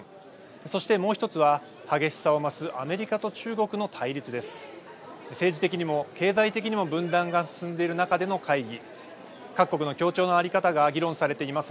そしてもう１つは激しさを増すアメリカと中国の対立です。